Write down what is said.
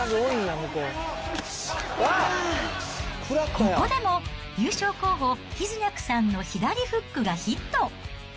ここでも優勝候補、ヒズニャクさんの左フックがヒット。